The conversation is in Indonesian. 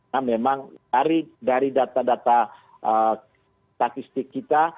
nah memang dari data data statistik kita